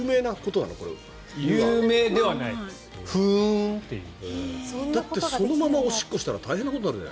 だってそのままおしっこしたら大変なことになるよ。